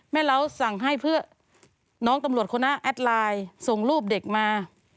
เล้าสั่งให้เพื่อน้องตำรวจคนหน้าแอดไลน์ส่งรูปเด็กมา